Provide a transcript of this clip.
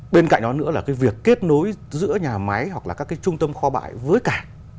bên cạnh đó nữa là cái việc kết nối giữa nhà máy hoặc là các cái trung tâm kho bãi với cảng